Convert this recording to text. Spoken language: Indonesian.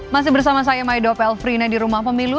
masih bersama saya maido pelfrina di rumah pemilu